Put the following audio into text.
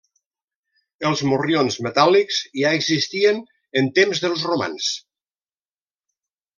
Els morrions metàl·lics ja existien en temps dels romans.